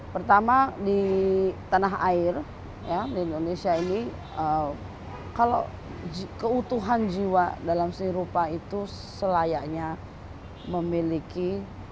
pertama di tanah air di indonesia ini kalau keutuhan jiwa dalam seni rupa itu selayaknya memiliki